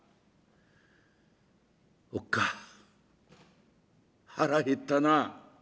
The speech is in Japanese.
「おっかあ腹減ったなあ」。